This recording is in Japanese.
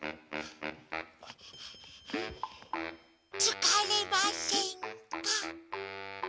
つかれませんか？